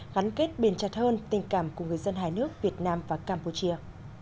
gắn kết bền chặt hơn tình cảm của người dân hai nước việt nam và campuchia